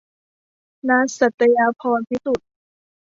ณัฐ สัตยาภรณ์พิสุทธิ์